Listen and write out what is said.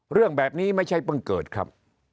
เรื่องแบบนี้ไม่ใช่เพิ่งเกิดครับ